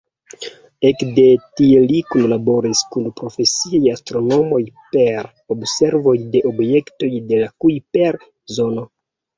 Ekde tie li kunlaboris kun profesiaj astronomoj per observoj de objektoj de la Kujper-zono.